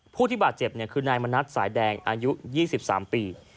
ผู้ที่บาดเจ็บคือนายมณัฐสายแดงอายุ๒๓ปี